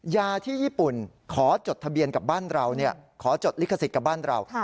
ยาที่ญี่ปุ่นขอจดทะเบียนกับบ้านเราขอจดลิขสิทธิ์กับบ้านเรา